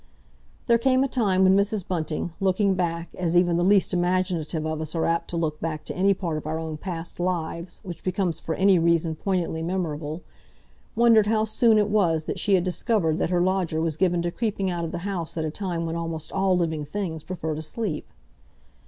There came a time when Mrs. Bunting, looking back—as even the least imaginative of us are apt to look back to any part of our own past lives which becomes for any reason poignantly memorable—wondered how soon it was that she had discovered that her lodger was given to creeping out of the house at a time when almost all living things prefer to sleep.